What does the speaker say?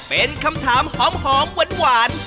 เป็นคำถามหอมหวาน